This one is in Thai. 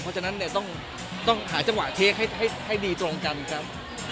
เพราะฉะนั้นเนี่ยต้องหาจังหวะเค้กให้ดีตรงกันครับ